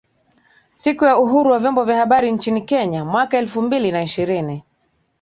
Siku ya Uhuru wa Vyombo vya Habari nchini Kenya mwaka elfu mbili na ishirini